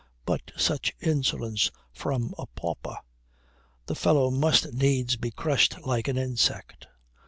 But such insolence from a pauper! The fellow must needs be crushed like an insect.